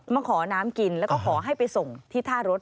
มาขอน้ำกินแล้วก็ขอให้ไปส่งที่ท่ารถ